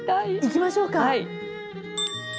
いきましょうか。